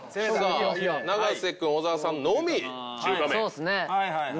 永瀬君小澤さんのみ中華麺。